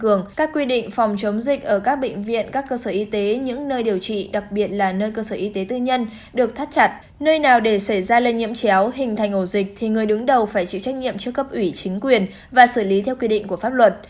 ở các bệnh viện các cơ sở y tế những nơi điều trị đặc biệt là nơi cơ sở y tế tư nhân được thắt chặt nơi nào để xảy ra lây nhiễm chéo hình thành ổ dịch thì người đứng đầu phải chịu trách nhiệm trước cấp ủy chính quyền và xử lý theo quy định của pháp luật